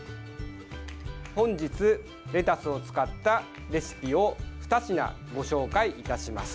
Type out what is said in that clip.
本日、レタスを使ったレシピを２品ご紹介いたします。